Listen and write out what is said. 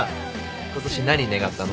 今年何願ったの？